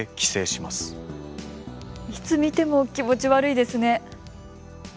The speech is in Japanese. いつ見ても気持ち悪いですね。